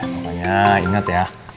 pokoknya ingat ya